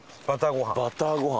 バターご飯。